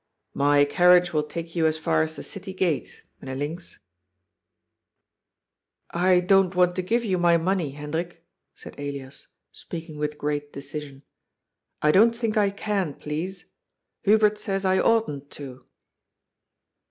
" My carriage will take you as far as tiie city gate. Myn heer Linx." " I don't want to give you my money, Hendrik," said Elias, speaking with great decision. " I don't think I can, please. Hubert says I oughtn't to."